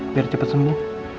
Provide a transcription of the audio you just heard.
biar cepat sembuh